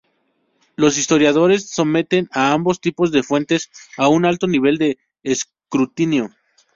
Los historiadores someten a ambos tipos de fuentes a un alto nivel de escrutinio.